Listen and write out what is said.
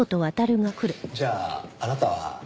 じゃああなたは？